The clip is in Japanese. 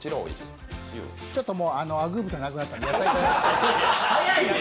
ちょっとあぐー豚なくなったんで。